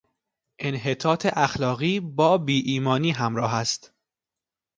انحطاط اخلاقی با بیایمانی همراه است.